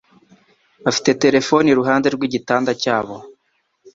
Bafite terefone iruhande rwigitanda cyabo.